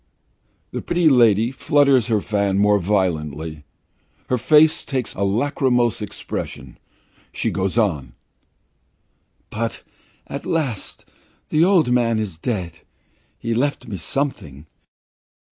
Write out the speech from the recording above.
The pretty lady flutters her fan more violently. Her face takes a lachrymose expression. She goes on: "But at last the old man died. He left me something.